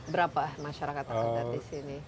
berapa masyarakat adat di sini